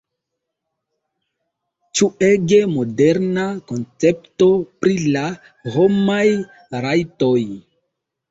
Ĉu ege moderna koncepto pri la homaj rajtoj?